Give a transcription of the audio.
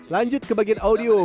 lanjut ke bagian audio